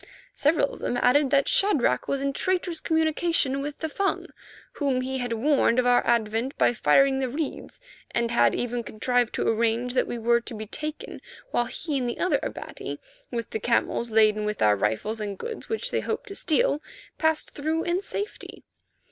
Several of them added that Shadrach was in traitorous communication with the Fung, whom he had warned of our advent by firing the reeds, and had even contrived to arrange that we were to be taken while he and the other Abati, with the camels laden with our rifles and goods which they hoped to steal, passed through in safety.